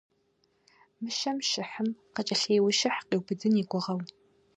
Мыщэм щыхьым къыкӀэлъейущыхь къиубыдын и гугъэу.